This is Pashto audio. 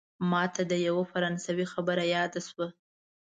ماته د یوه فرانسوي خبره یاده شوه.